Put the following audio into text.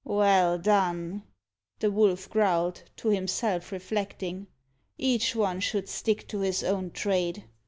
"Well done!" the Wolf growled, to himself reflecting: "Each one should stick to his own trade.